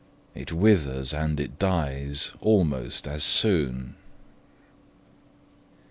It withers and it dies almost as soon!